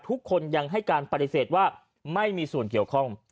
ทุกคนยังให้การปฏิเสธว่าไม่มีส่วนเกี่ยวข้อง